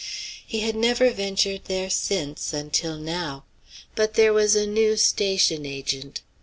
He had never ventured there since, until now. But there was a new station agent.